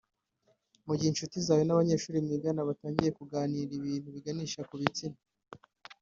Mu gihe incuti zawe n’abanyeshuri mwigana batangiye kuganira ibintu biganisha ku bitsina